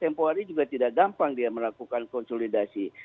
temporis juga tidak gampang dia melakukan konsolidasi